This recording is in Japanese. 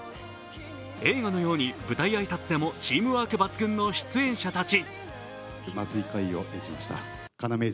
映画のように舞台挨拶でもチームワーク抜群の出演者たち。